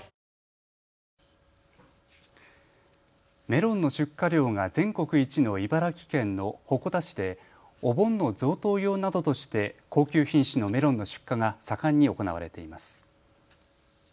メロンの出荷量が全国一の茨城県の鉾田市でお盆の贈答用などとして高級品種のメロンの出荷が盛んに行われています。